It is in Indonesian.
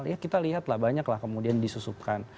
ya kita lihat lah banyak lah kemudian disusupkan